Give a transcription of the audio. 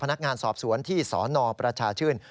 พนักงานสอบสวนที่สนประชาชื่น